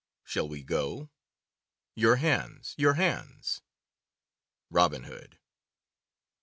Shall we go? Your hands, your hands!" — Robin Hood.